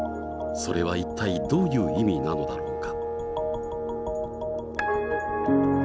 それは一体どういう意味なのだろうか。